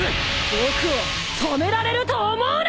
僕を止められると思うな！